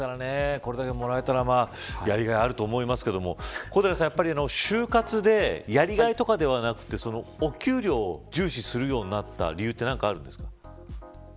これだけもらえたらやりがいあると思いますけど小寺さん、就活でやりがいとかではなくてお給料を重視するようになった理由は何かあるんですか。